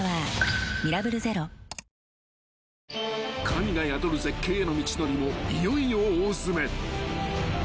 ［神が宿る絶景への道のりもいよいよ大詰め］